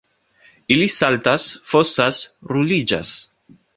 Ili saltas, fosas, ruliĝas.